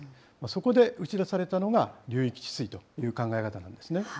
そこで打ち出されたのが、流域治水という考え方なんですね。